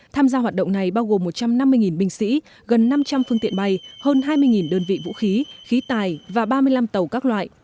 tham gia hoạt động này bao gồm một trăm năm mươi binh sĩ gần năm trăm linh phương tiện bay hơn hai mươi đơn vị vũ khí khí tài và ba mươi năm tàu các loại